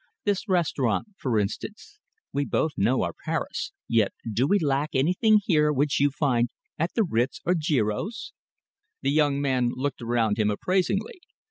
This restaurant, for instance! We both know our Paris, yet do we lack anything here which you find at the Ritz or Giro's?" The young man looked around him appraisingly.